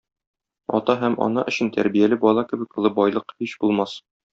Ата һәм ана өчен тәрбияле бала кебек олы байлык һич булмас.